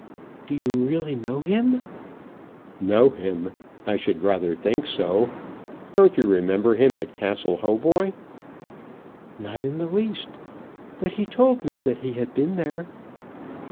"Do you really know him?" "Know him! I should rather think so. Don't you remember him at Castle Hautboy?" "Not in the least. But he told me that he had been there."